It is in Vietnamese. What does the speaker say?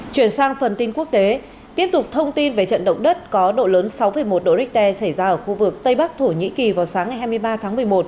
chuyển sang phần tin quốc tế tiếp tục thông tin về trận động đất có độ lớn sáu một độ richter xảy ra ở khu vực tây bắc thổ nhĩ kỳ vào sáng ngày hai mươi ba tháng một mươi một